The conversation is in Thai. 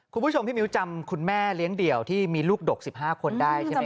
คุณผู้ชมพี่มิ้วจำคุณแม่เลี้ยงเดี่ยวที่มีลูกดก๑๕คนได้ใช่ไหม